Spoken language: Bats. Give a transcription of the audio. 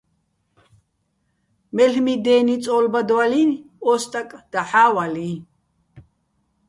მელ'მი დენი წო́ლბადვალიჼი̆ ო სტაკ, დაჰ̦ა ვალიჼ.